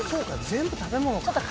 全部食べ物か。